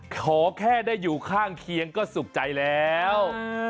ขอแค่ได้อยู่ข้างเคียงก็สุขใจแล้ว